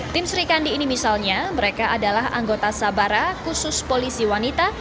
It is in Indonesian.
tim serikandi ini misalnya mereka adalah anggota sabara khusus polisi wanita